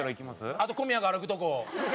あと小宮が歩くとこ。